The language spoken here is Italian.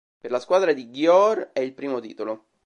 Per la squadra di Győr è il primo titolo.